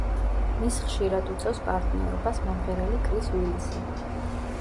მის ხშირად უწევს პარტნიორობას მომღერალი კრის უილისი.